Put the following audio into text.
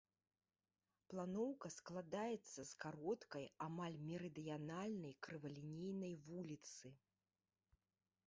Планоўка складаецца з кароткай, амаль мерыдыянальнай крывалінейнай вуліцы.